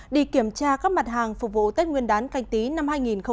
đi kiểm tra các mặt hàng phục vụ tết nguyên đán canh tí năm hai nghìn hai mươi